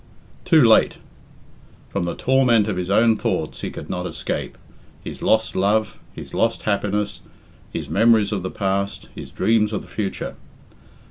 Too late! From the torment of his own thoughts he could not escape his lost love, his lost happiness, his memories of the past, his dreams of the future.